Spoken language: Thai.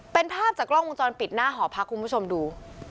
เป็นภาพจากกล้องวงจรปิดหน้าหอพักคุณผู้ชมดู